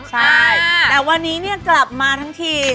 ใช่แต่วันนี้เนี่ยกลับมาทั้งที